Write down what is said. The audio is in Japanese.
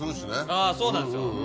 あぁそうなんですよ。